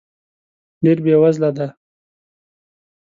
ډېر بې وزله دی .